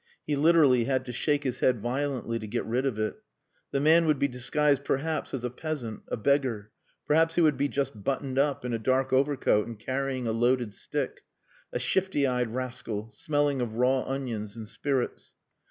He literally had to shake his head violently to get rid of it. The man would be disguised perhaps as a peasant... a beggar.... Perhaps he would be just buttoned up in a dark overcoat and carrying a loaded stick a shifty eyed rascal, smelling of raw onions and spirits.